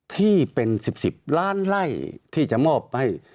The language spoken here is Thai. ที่เป็น๑๐๑๐ล้านไล่ที่จะมอบให้